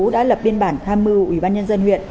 đã lập biên bản tham mưu ủy ban nhân dân huyện